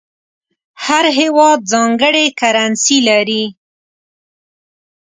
هر هېواد ځانګړې کرنسي لري.